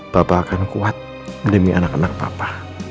bapak akan kuat demi anak anak papa